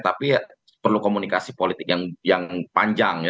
tapi perlu komunikasi politik yang panjang